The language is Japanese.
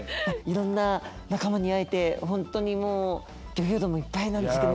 いろんな仲間に会えて本当にもうギョギョ度もいっぱいなんですけども。